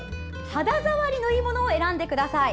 肌触りのいいものを選んでください。